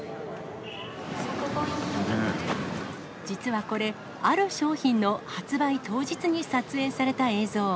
実はこれ、ある商品の発売当日に撮影された映像。